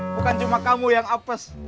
bukan cuma kamu yang apes